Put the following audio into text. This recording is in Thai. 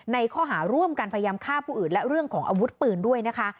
ในข้อหาร่วมกันพยายามฆ่าผู้อื่นและเรื่องของอาวุธปืนด้วยนะคะ